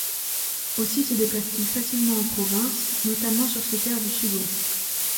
Aussi se déplace-t-il facilement en province, notamment sur ses terres du Sud-Ouest.